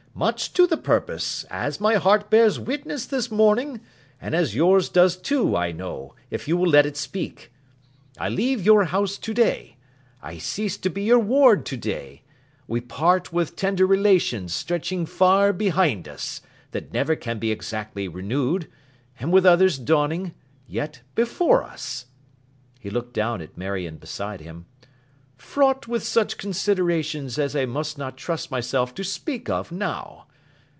Much to the purpose, as my heart bears witness this morning; and as yours does too, I know, if you would let it speak. I leave your house to day; I cease to be your ward to day; we part with tender relations stretching far behind us, that never can be exactly renewed, and with others dawning—yet before us,' he looked down at Marion beside him, 'fraught with such considerations as I must not trust myself to speak of now.